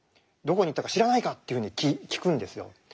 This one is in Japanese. どこに行ったか知らないか？」というふうに聞くんですよ。